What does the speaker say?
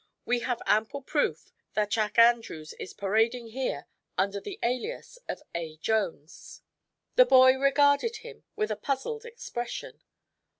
We have ample proof that Jack Andrews is parading here, under the alias of 'A. Jones.'" The boy regarded him with a puzzled expression.